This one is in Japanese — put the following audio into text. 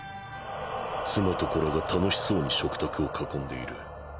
妻と子らが愉しそうに食卓を囲んでいる。